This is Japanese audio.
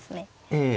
ええ。